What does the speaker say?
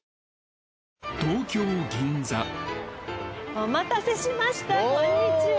お待たせしましたこんにちは。